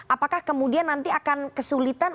apakah kemudian nanti akan kesulitan